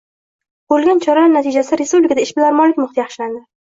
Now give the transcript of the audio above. Ko‘rilgan choralar natijasida respublikada ishbilarmonlik muhiti yaxshilandi.